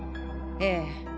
ええ。